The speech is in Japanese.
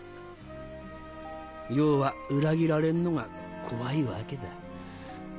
要は裏切られるのが怖いわけだ。